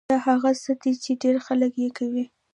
دا هغه څه دي چې ډېر خلک يې کوي.